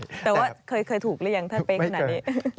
แต่ว่าเคยถูกหรือยังถ้าเป๊ะขนาดนี้